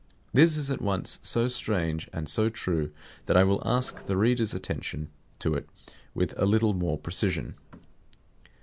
This is at once so strange and so true that I will ask the reader's attention to it with a little more precision.